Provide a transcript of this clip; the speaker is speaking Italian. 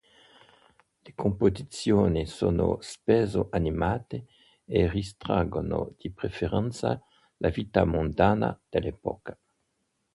Le composizioni sono spesso animate e ritraggono di preferenza la vita mondana dell'epoca.